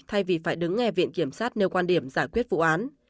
thay vì phải đứng nghe viện kiểm sát nêu quan điểm giải quyết vụ án